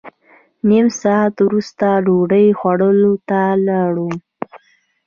نیم ساعت وروسته ډوډۍ خوړلو ته لاړم.